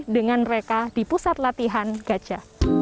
dengan mereka di pusat latihan gajah